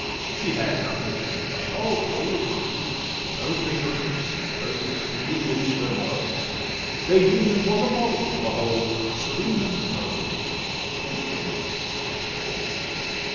She had nothing to complain of, or reprove, No bickerings, no connubial turmoil: Their union was a model to behold, Serene and noble,—conjugal, but cold.